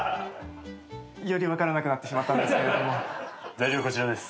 材料こちらです。